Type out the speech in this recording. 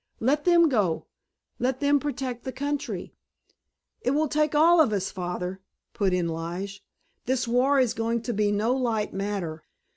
Let them go. Let them protect the country." "It will take us all, Father," put in Lige. "This war is going to be no light matter.